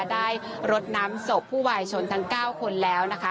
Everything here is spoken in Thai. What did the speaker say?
ได้รดน้ำศพผู้วายชนทั้ง๙คนแล้วนะคะ